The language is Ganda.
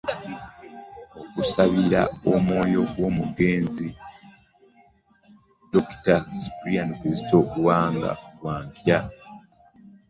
Okusabira omwoyo gw'omugenzi dokita Cyprian Kizito Lwanga kwa nkya